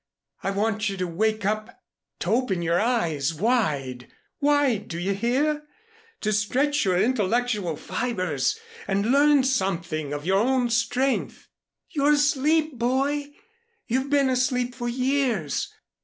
"I want you to wake up, to open your eyes wide wide, do you hear, to stretch your intellectual fibers and learn something of your own strength. You're asleep, Boy! You've been asleep for years!